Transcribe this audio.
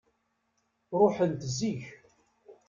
Ruḥent zik.